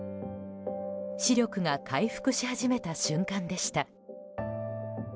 視力が回復し始めた瞬間でした。